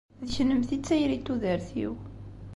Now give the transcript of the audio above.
D kennemti i d tayri n tudert-iw.